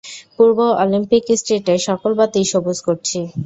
পূর্ব Olympic স্ট্রীটের সকল বাতি সবুজ করছি।